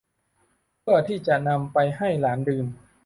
เพื่อที่จะนำไปให้หลานดื่ม